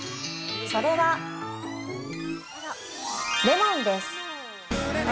それは、レモンです。